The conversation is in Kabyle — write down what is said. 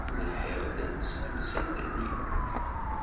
Lhiɣ-d s temsalt-nni.